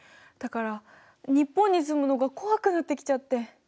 だから日本に住むのが怖くなってきちゃって。